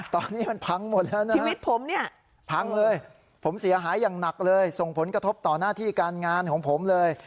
ตอนนี้มันพังหมดแล้วนะชีวิตผมเนี่ยพังเลยผมเสียหายอย่างหนักเลยส่งผลกระทบต่อหน้าที่การงานของผมเลย